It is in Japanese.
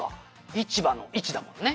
市場の“市”だもんね」